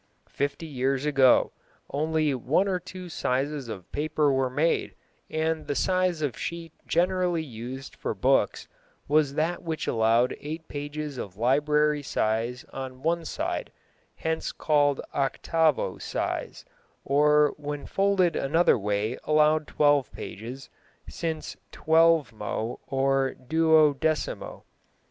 Fifty years ago only one or two sizes of paper were made, and the size of sheet generally used for books was that which allowed eight pages of library size on one side, hence called "octavo" size, or when folded another way allowed twelve pages, hence "twelvemo" or "duodecimo."